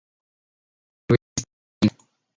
Su titular fue Luis de Guindos.